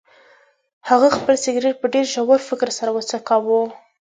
هغه خپل سګرټ په ډیر ژور فکر سره وڅکاوه.